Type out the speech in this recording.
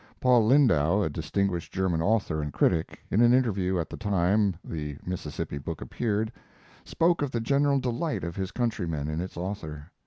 Paul Lindau, a distinguished German author and critic, in an interview at the time the Mississippi book appeared, spoke of the general delight of his countrymen in its author.